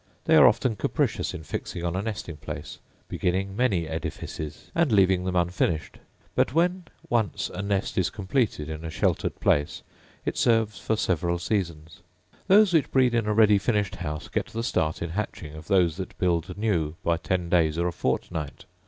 They are often capricious in fixing on a nesting place, beginning many edifices, and leaving them unfinished; but when once a nest is completed in a sheltered place, it serves for several seasons. Those which breed in a ready finished house get the start in hatching of those that build new by ten days or a fortnight.